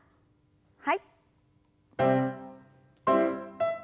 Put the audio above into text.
はい。